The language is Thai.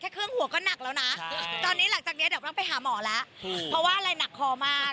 เครื่องหัวก็หนักแล้วนะตอนนี้หลังจากเนี้ยเดี๋ยวต้องไปหาหมอแล้วเพราะว่าอะไรหนักคอมาก